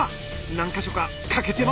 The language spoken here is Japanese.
何か所か欠けてますよね。